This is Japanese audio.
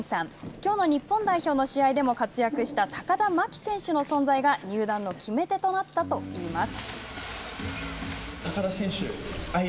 きょうの日本代表の試合でも活躍した高田真希選手の存在が、入団の決め手となったといいます。